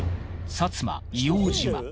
薩摩硫黄島。